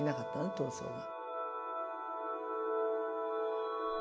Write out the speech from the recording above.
闘争が。